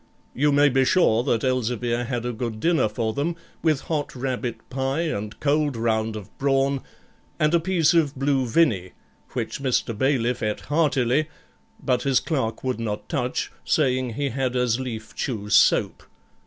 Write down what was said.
You may be sure that Elzevir had a good dinner for them, with hot rabbit pie and cold round of brawn, and a piece of blue vinny, which Mr. Bailiff ate heartily, but his clerk would not touch, saying he had as lief chew soap.